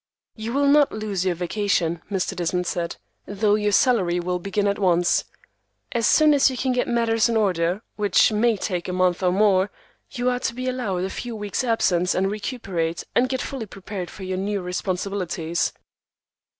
"You will not lose your vacation," Mr. Desmond said, "though your salary will begin at once. As soon as you can get matters in order, which may take a month or more, you are to be allowed a few weeks' absence to recuperate and get fully prepared for your new responsibilities."